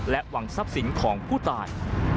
หวังทรัพย์สินของผู้ตาย